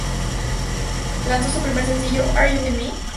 Lanzó su primer sencillo, "Are You With Me?